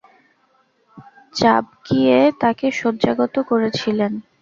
চাবকিয়ে তাকে শয্যাগত করেছিলেন।